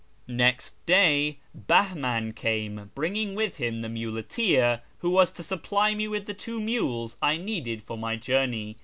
YEZD 411 Next day Bahman came bringing with him the muleteer who was to supply me with the two mules I needed for my journey.